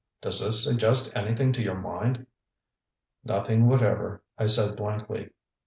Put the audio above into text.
Does this suggest anything to your mind? ŌĆØ ŌĆ£Nothing whatever, ŌĆØ I said blankly.